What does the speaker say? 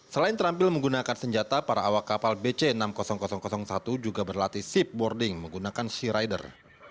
selain terampil menggunakan senjata para awak kapal bc enam ribu satu juga berlatih shipboarding menggunakan searider